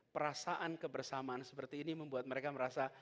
perasaan kebersamaan seperti ini membuat mereka merasa